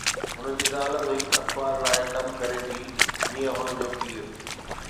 هن جي زال به هڪ اخبار لاءِ ڪم ڪري ٿي، جيئن هن جو پيءُ